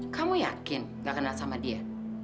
kamu yakin gak kenal sama dia